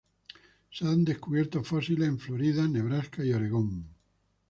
Se han descubierto fósiles en Florida, Nebraska, y Oregon.